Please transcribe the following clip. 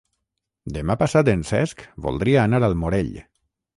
Demà passat en Cesc voldria anar al Morell.